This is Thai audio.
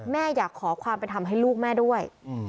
แม่อยากขอความเป็นธรรมให้ลูกแม่ด้วย